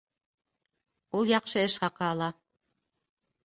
Ул яҡшы эш хаҡы ала